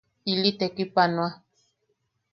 Ili tekipanoa.